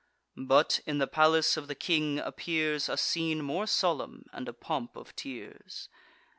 But, in the palace of the king, appears A scene more solemn, and a pomp of tears.